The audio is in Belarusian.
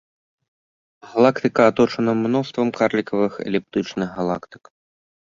Галактыка аточана мноствам карлікавых эліптычных галактык.